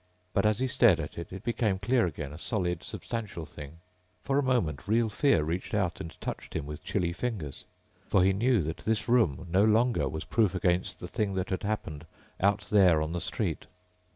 But as he stared at it, it became clear again, a solid, substantial thing. For a moment real fear reached out and touched him with chilly fingers. For he knew that this room no longer was proof against the thing that had happened out there on the street.